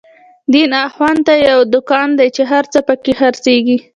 دين اخوان ته يو دکان دی، چی هر څه په کی خر څيږی